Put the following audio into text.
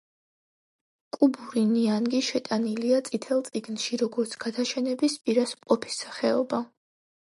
კუბური ნიანგი შეტანილია წითელ წიგნში, როგორც გადაშენების პირას მყოფი სახეობა.